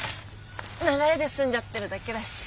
流れで住んじゃってるだけだし。